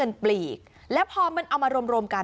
นี่คือเทคนิคการขาย